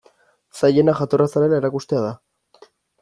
Zailena jatorra zarela erakustea da.